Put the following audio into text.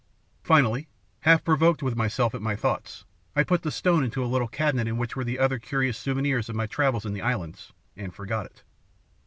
"Finally, half provoked with myself at my thoughts, I put the stone into a little cabinet in which were other curious souvenirs of my travels in the islands, and forgot it.